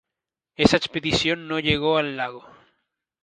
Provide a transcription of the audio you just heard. Esa expedición no llegó al lago.